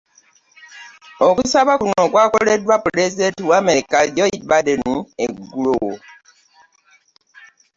Okusaba kuno kwakoleddwa pulezidenti wa America, Joe Biden eggulo